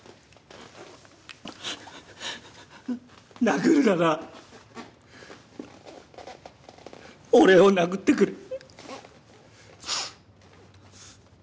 殴るなら俺を殴ってくれ。